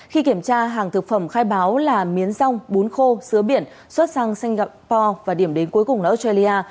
khi kiểm tra hàng thực phẩm khai báo là miến rong bún khô biển xuất sang singapore và điểm đến cuối cùng là australia